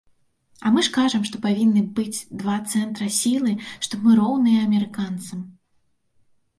А мы ж кажам, што павінны быць два цэнтры сілы, што мы роўныя амерыканцам!